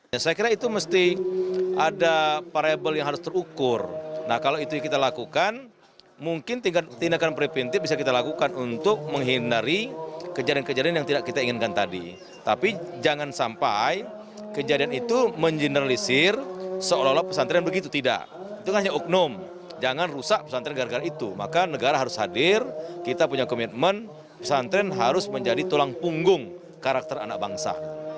jangan rusak pesantren gara gara itu maka negara harus hadir kita punya komitmen pesantren harus menjadi tulang punggung karakter anak bangsa